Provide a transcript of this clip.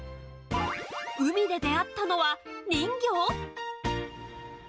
海で出会ったのは、人魚？